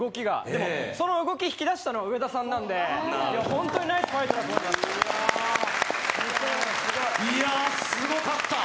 でもその動きを引き出したのは上田さんなんで、ホントにナイスファイトだと思います。